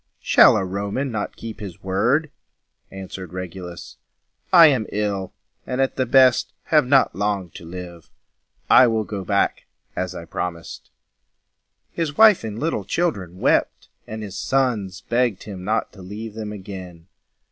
"Shall a Roman not keep his word?" answered Regulus. "I am ill, and at the best have not long to live. I will go back, as I promised." His wife and little children wept, and his sons begged him not to leave them again.